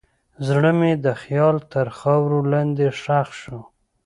زړه مې د خیال تر خاورو لاندې ښخ شو.